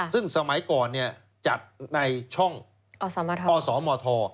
ซึ่งสมัยก่อนจัดในช่องอสมท